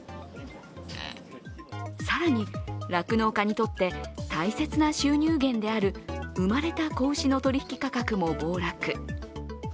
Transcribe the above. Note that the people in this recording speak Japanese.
更に酪農家にとって大切な収入源である生まれた子牛の取引価格も暴落。